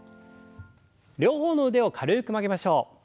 両方の腕を軽く曲げましょう。